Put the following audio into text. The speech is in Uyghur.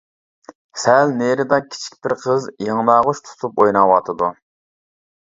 سەل نېرىدا كىچىك بىر قىز يىڭناغۇچ تۇتۇپ ئويناۋاتىدۇ.